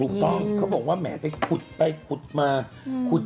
ถูกต้องเค้าบอกว่าแหม่ไปขุดมาขุด